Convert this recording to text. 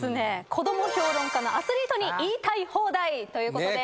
子ども評論家のアスリートに言いたい放題ということで。